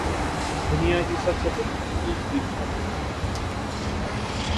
دنیاکی سب سے بڑی نمکین جھیل ہے